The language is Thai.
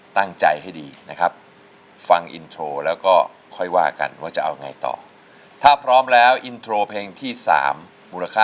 ตั้งใจให้ดีนะครับฟังอินโทรแล้วก็ค่อยว่ากันว่าจะเอาไงต่อถ้าพร้อมแล้วอินโทรเพลงที่๓มูลค่า